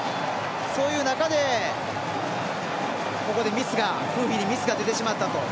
そういう中で、ここでミスがフーヒに出てしまったと。